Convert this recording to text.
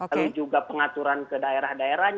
lalu juga pengaturan ke daerah daerahnya